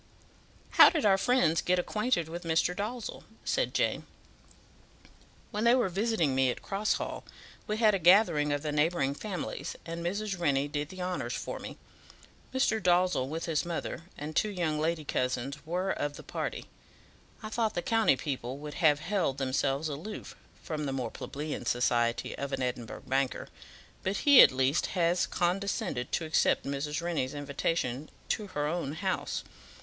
"How did our friends get acquainted with Mr. Dalzell?" said Jane. "When they were visiting me at Cross Hall, we had a gathering of the neighbouring families, and Mrs. Rennie did the honours for me. Mr. Dalzell, with his mother, and two young lady cousins, were of the party. I thought the county people would have held themselves aloof from the more plebeian society of an Edinburgh banker, but he at least has condescended to accept Mrs. Rennie's invitation to her own house.